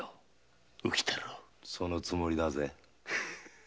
そのつもりだぜ。